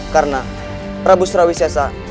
karena prabu surawi siasa